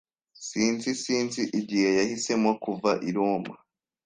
Sinzi Sinzi igihe yahisemo kuva i Roma.